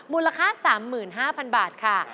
มูลค่า๓๕๐๐๐บาทค่ะ